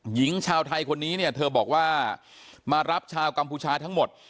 หญิงชาวไทยคนนี้เนี่ยเธอบอกว่ามารับชาวกัมพูชาทั้งหมด